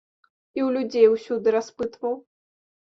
І ў людзей усюды распытваў.